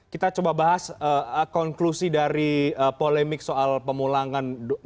kita coba bahas konklusi dari polemik soal pemulangan enam ratusan wnn x isis ini